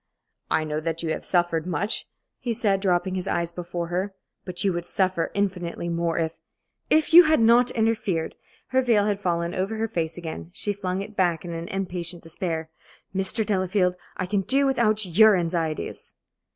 "I know that you have suffered much," he said, dropping his eyes before her, "but you would suffer infinitely more if " "If you had not interfered." Her veil had fallen over her face again. She flung it back in impatient despair. "Mr. Delafield, I can do without your anxieties."